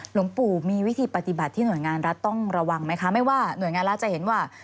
หลวงปู่มีวิธีปฏิบัติที่หน่วยงานรัฐต้องระวังไหมคะไม่ว่าหน่วยงานรัฐจะเห็นว่า